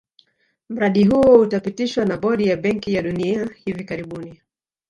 Mradi huo utapitishwa na bodi ya benki ya dunia hivi karibuni